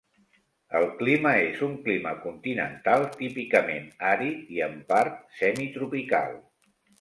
El clima és un clima continental típicament àrid i en part semi-tropical.